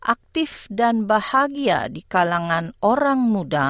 aktif dan bahagia di kalangan orang muda